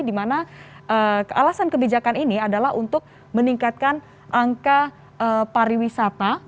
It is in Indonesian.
dimana alasan kebijakan ini adalah untuk meningkatkan angka pariwisata